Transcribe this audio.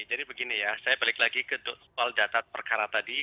saya balik lagi ke soal data perkara tadi